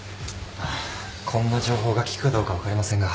こんな情報がきくかどうか分かりませんが。